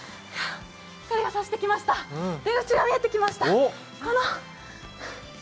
そして光が差してきました、出口が見えてきました。